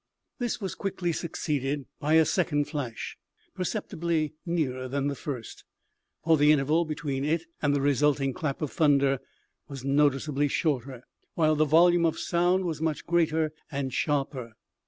This was quickly succeeded by a second flash, perceptibly nearer than the first for the interval between it and the resulting clap of thunder was noticeably shorter, while the volume of sound was much greater and sharper.